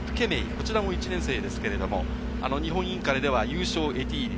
こちらも１年生ですが、日本インカレでは入賞のエティーリ。